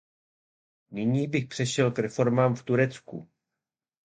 Nyní bych přešel k reformám v Turecku.